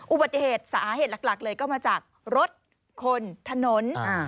อุบัติเหตุสาเหตุหลักเลยก็มาจากรถคนถนน